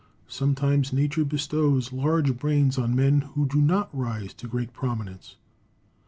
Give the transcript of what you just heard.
Sometimes Nature bestows large brains on men who do not rise to great prominence.